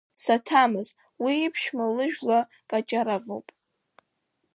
Саҭамыз, уи иԥшәма лыжәла Каҷаравоуп.